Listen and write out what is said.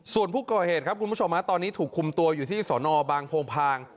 ส่วนผู้ก่อเหตุครับคุณผู้ชมตอนนี้ถูกคุมตัวอยู่ที่สอนอบางโพงพาง